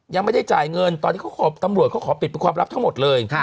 ยังไม่ได้จ่ายเงินตอนนี้ตำรวจเขาขอปิดเป็นความลับทั้งหมดเลย